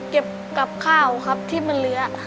กับข้าวครับที่มันเลื้อ